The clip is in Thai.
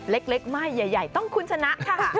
เล็กไม่ใหญ่ต้องคุณชนะค่ะ